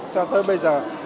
cho tới bây giờ